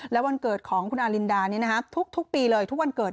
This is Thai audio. และวันเกิดของคุณอารินดาทุกปีเลยทุกวันเกิด